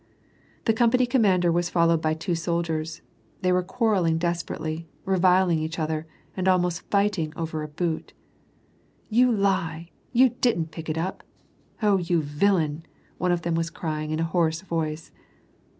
The company commander was followed by two soldiers. They were quarrelling desperately, reviling each other, and almost fighting over a boot. " You lie ! You didn't pick it up ! Oh ! you villain !" one of them was crying, in a hoarse voice.